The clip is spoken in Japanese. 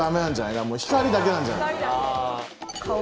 だからもう光だけなんじゃない？